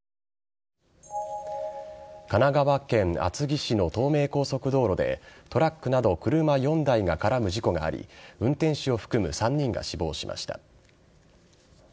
神奈川県厚木市の東名高速道路でトラックなど車４台が絡む事故があり運転手を含む３人が死亡しました。